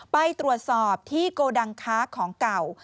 ไปตรวจสอบที่โกดังค้าของเก่า